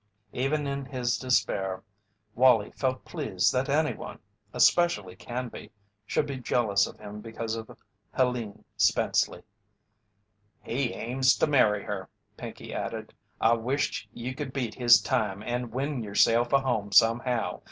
Even in his despair Wallie felt pleased that any one, especially Canby, should be jealous of him because of Helene Spenceley. "He aims to marry her," Pinkey added. "I wisht you could beat his time and win yerself a home somehow.